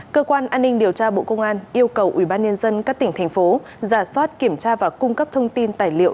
cơ quan an ninh điều tra bộ công an yêu cầu ủy ban nhân dân các tỉnh thành phố giả soát kiểm tra và cung cấp thông tin tài liệu